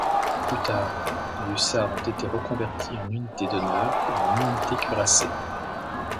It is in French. Plus tard les hussards ont été reconvertis en unités d'honneur ou en unités cuirassées.